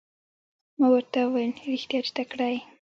ما ورته وویل رښتیا چې تکړه یې.